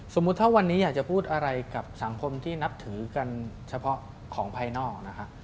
สมมุติถ้าวันนี้อยากจะพูดอะไรกับสังคมที่นับถือกันเฉพาะของภายนอกนะฮะ